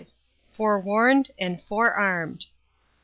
"forewarned" and "forearmed."